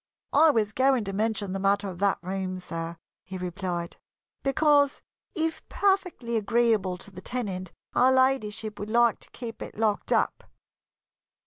"I was going to mention the matter of that room, sir," he replied, "because, if perfectly agreeable to the tenant, Her Ladyship would like to keep it locked up."